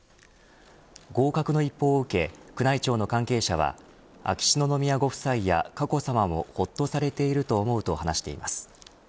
合格の一報を受け宮内庁の関係者は秋篠宮ご夫妻や佳子さまもほっとされていると思うと話しています。